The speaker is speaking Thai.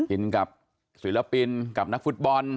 อินกับศิลปินกับนักฟุตบอล